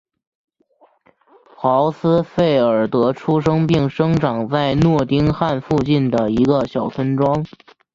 豪斯费尔德出生并生长在诺丁汉附近的一个小村庄。